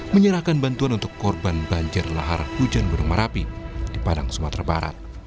menyerahkan bantuan untuk korban banjir lahar hujan gunung merapi di padang sumatera barat